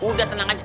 udah tenang aja